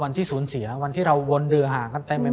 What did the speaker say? วันที่ศูนย์เสียวันที่เราวนเรือหากันไปหมดแล้ว